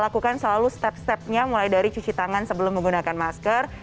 lakukan selalu step stepnya mulai dari cuci tangan sebelum menggunakan masker